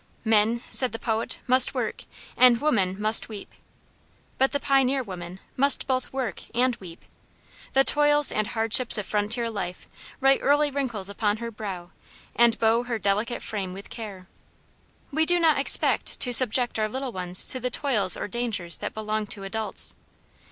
"Men," says the poet, "must work, and women must weep." But the pioneer women must both work and weep. The toils and hardships of frontier life write early wrinkles upon her brow and bow her delicate frame with care. We do not expect to subject our little ones to the toils or dangers that belong to adults.